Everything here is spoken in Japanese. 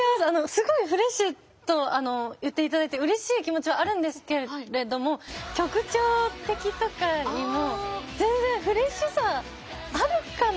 すごいフレッシュと言っていただいてうれしい気持ちはあるんですけれども曲調的とかにも全然フレッシュさあるかな？